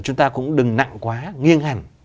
chúng ta cũng đừng nặng quá nghiêng hẳn